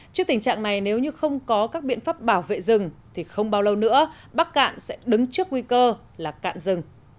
trước tình trạng này nếu như không có các biện pháp bảo vệ rừng thì không bao lâu nữa bắc cạn sẽ đứng trước nguy cơ là cạn rừng